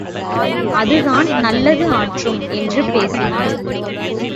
அதுதான் நல்லது ஆற்றும் என்று பேசினான்.